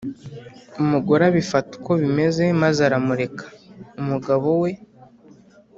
Umugore abifata uko bimeze maze aramureka umugabo we.